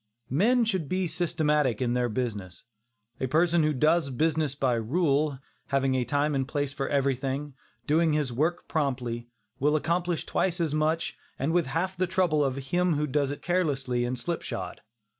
Men should be systematic in their business. A person who does business by rule, having a time and place for everything, doing his work promptly, will accomplish twice as much and with half the trouble of him who does it carelessly and slipshod.